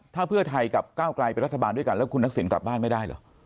ถ้าเพื่อไทยกับก้าวไกลเป็นรัฐบาลด้วยกันแล้วคุณทักษิณกลับบ้านไม่ได้เหรอ